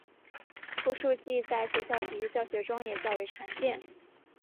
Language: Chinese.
步数计在学校体育教学中也较为常见。